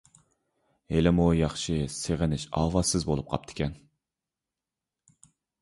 ھېلىمۇ ياخشى سېغىنىش ئاۋازسىز بولۇپ قاپتىكەن.